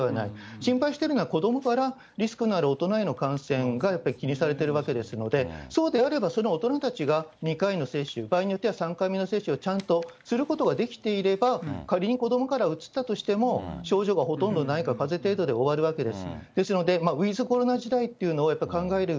心配しているのは、子どもからリスクのある大人への感染がやっぱり気にされているわけですので、そうであれば、おとなたちが２回の接種、場合によっては３回目の接種をちゃんとすることができていれば、仮に子どもからうつったとしても、症状がほとんどないか、かぜ程度で終わるわけです。